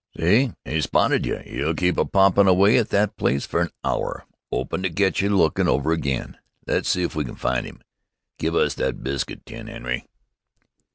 "See? 'E spotted you. 'E'll keep a pottin' away at that place for an hour, 'opin' to catch you lookin' over again. Less see if we can find 'im. Give us that biscuit tin, 'Enery."